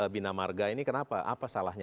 bina marga ini kenapa apa salahnya